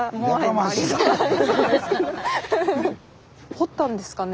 彫ったんですかね